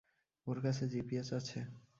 ওর কাছে জিপিএস আছে।